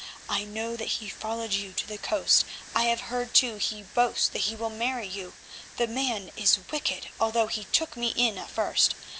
I know that he followed you to the coast; I have heard too he boasts that he will marry you. The man is wicked, although he took me in at first.